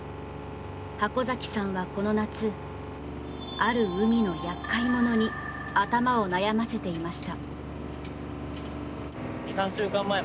箱崎さんはこの夏ある海の厄介者に頭を悩ませていました。